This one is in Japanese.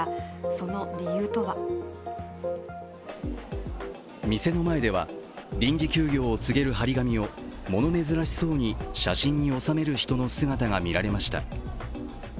その理由とは店の前では、臨時休業を告げる貼り紙を物珍しそうに写真に収める人の姿が見られました。